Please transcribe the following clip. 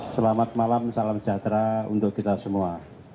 selamat malam salam sejahtera untuk kita semua